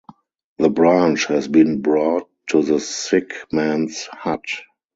The branch has been brought to the sick man's hut.